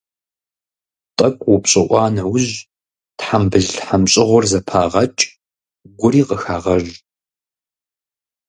ТӀэкӀу упщӀыӀуа нэужь тхьэмбыл-тхьэмщӀыгъур зэпагъэкӀ, гури къыхагъэж.